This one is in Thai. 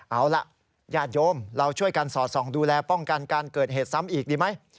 เอาล่ะญาติโยมเราช่วยกันสอดส่องดูแลป้องกันการเกิดเหตุซ้ำอีกดีไหม